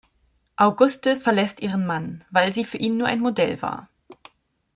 Auguste verlässt ihren Mann, weil sie für ihn nur ein Modell war.